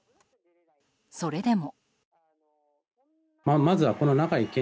それでも。